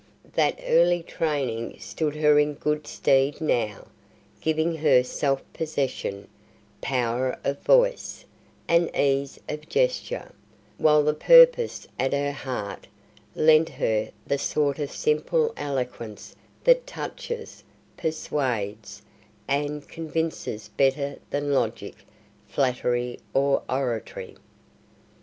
That early training stood her in good stead now, giving her self possession, power of voice, and ease of gesture; while the purpose at her heart lent her the sort of simple eloquence that touches, persuades, and convinces better than logic, flattery, or oratory.